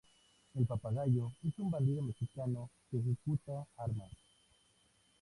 El Papagayo es un bandido mexicano que ejecuta armas.